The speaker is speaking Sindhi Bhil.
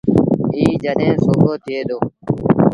ائيٚݩ جڏهيݩ سُوڀو ٿئي دو